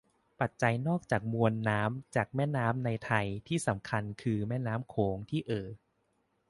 ปัจจัยนอกจากมวลน้ำจากแม่น้ำในไทยที่สำคัญคือแม่น้ำโขงที่เอ่อ